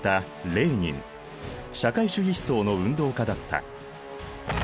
社会主義思想の運動家だった。